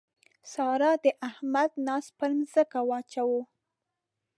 سارا د احمد ناز پر ځمکه واچاوو.